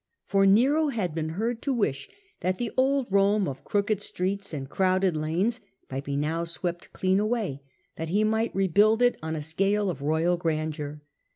For Nero had been heard to wish that the old Rome of crooked streets and crowded lanes might be now sv/ept clean away, that he might rebuild it on a scale of royal grandeur.